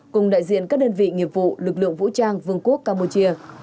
cùng đại diện các đơn vị nghiệp vụ lực lượng vũ trang vương quốc campuchia